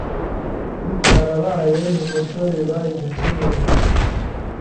bitarabaye mu muco biba igicumuro